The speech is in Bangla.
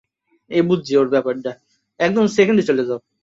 তাঁদের জামিন আবেদনের বিরুদ্ধে রাষ্ট্রপক্ষের করা আবেদন খারিজ করেছেন আপিল বিভাগ।